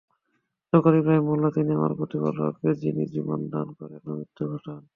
যখন ইবরাহীম বলল, তিনি আমার প্রতিপালক যিনি জীবন দান করেন ও মৃত্যু ঘটান।